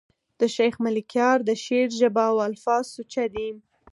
د شېخ ملکیار د شعر ژبه او الفاظ سوچه دي.